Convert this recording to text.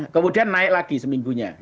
kemudian naik lagi seminggunya